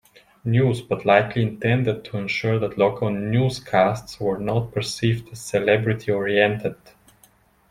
News, but likely intended to ensure that local newscasts were not perceived as celebrity-oriented.